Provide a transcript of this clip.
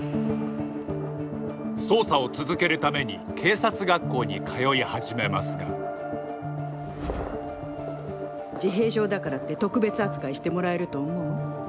捜査を続けるために警察学校に通い始めますが自閉症だからって特別扱いしてもらえると思う？